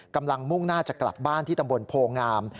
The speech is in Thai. มุ่งหน้าจะกลับบ้านที่ตำบลโพงาม